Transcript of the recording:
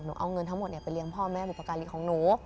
เอาเงินทั้งหมดไปเลี้ยงพ่อแม่บุปการีของหนู